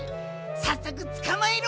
さっそくつかまえろ！